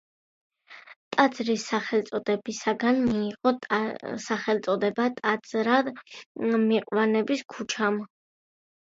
ტაძრის სახელისაგან მიიღო სახელწოდება ტაძრად მიყვანების ქუჩამ.